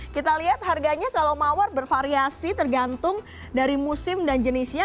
kita lihat harganya kalau mawar bervariasi tergantung dari musim dan jenisnya